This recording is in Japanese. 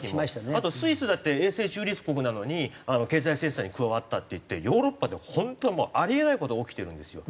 あとスイスだって永世中立国なのに経済制裁に加わったっていってヨーロッパで本当もうあり得ない事が起きてるんですよ。